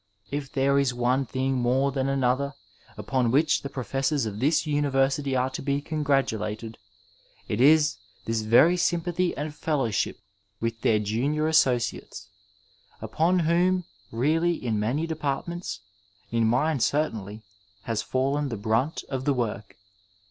If there is one thing more than another upon which the professors ol this university are to be congratulated it is this very sjnnpathy and fellowship with their junior associates, upon whom really in many departments, in mine certainly, has fallen the brunt of the work.